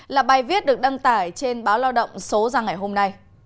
là bài viết được đăng tải trên báo lao động số ra ngày hôm nay